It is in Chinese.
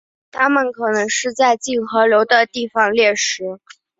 它们可能是在近河流的地方猎食。